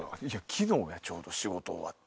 昨日やちょうど仕事終わって。